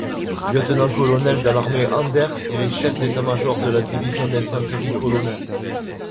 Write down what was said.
Lieutenant-colonel dans l'Armée Anders, il est chef d'état-major de la Division d'infanterie polonaise.